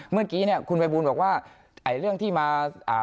เมื่อกี้คุณไปบูลบอกว่าเรื่องที่มา